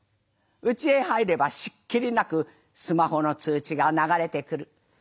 内へ入ればしっきりなくスマホの通知が流れてくる。